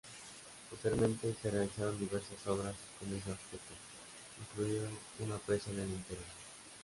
Posteriormente se realizaron diversas obras con ese objeto, incluida una presa en el interior.